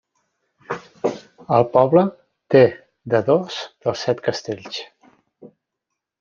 El poble té de dos dels set castells.